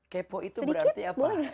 kepo itu berarti apa